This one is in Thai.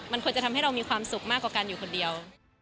มันควรจะทำให้เรามีความสุขมากกว่าการอยู่คนเดียว